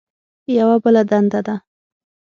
یوه بله دنده ده.